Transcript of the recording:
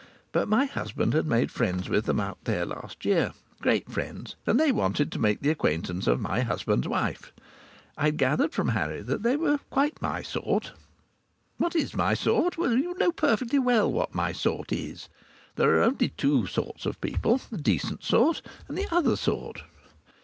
But my husband had made friends with them out there last year great friends. And they wanted to make the acquaintance of my husband's wife. I'd gathered from Harry that they were quite my sort.... What is my sort? You know perfectly well what my sort is. There are only two sorts of people the decent sort and the other sort.